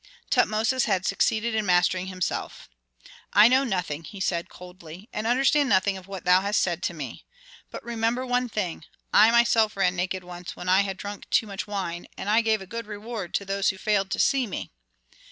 Tutmosis had succeeded in mastering himself. "I know nothing," said he, coldly, "and understand nothing of what thou hast said to me. But remember one thing: I myself ran naked once when I had drunk too much wine, and I gave a good reward to those who failed to see me.